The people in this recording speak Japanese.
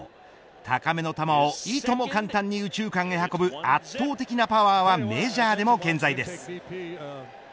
高めの球をいとも簡単に右中間へ運ぶ圧倒的なパワーはメジャーでも健在です。